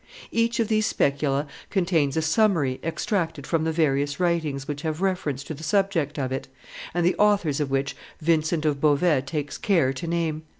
Each of these Specula contains a summary, extracted from the various writings which have reference to the subject of it, and the authors of which Vincent of Beauvais takes care to name.